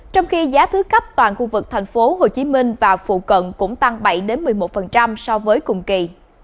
trong khi giá thứ cấp toàn khu vực tp hcm và phụ cận cũng tăng bảy một mươi một so với cùng kỳ